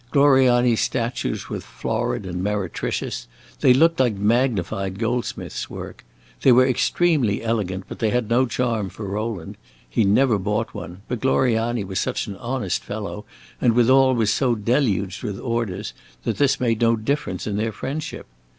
Gloriani's statues were florid and meretricious; they looked like magnified goldsmith's work. They were extremely elegant, but they had no charm for Rowland. He never bought one, but Gloriani was such an honest fellow, and withal was so deluged with orders, that this made no difference in their friendship.